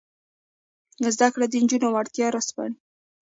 زده کړه د نجونو وړتیاوې راسپړي.